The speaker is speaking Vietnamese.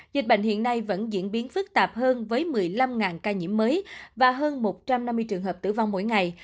dịch bệnh hiện nay vẫn diễn biến phức tạp hơn với một mươi năm ca nhiễm mới và hơn một trăm năm mươi trường hợp tử vong mỗi ngày